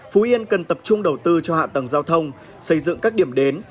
phú yên cần tập trung đầu tư cho hạ tầng giao thông xây dựng các điểm đến